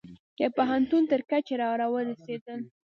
د پوهنتون تر کچې را ورسیدل